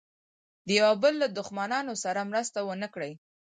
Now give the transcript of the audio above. د یوه بل له دښمنانو سره مرسته ونه کړي.